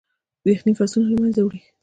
يخني فصلونه له منځه وړي.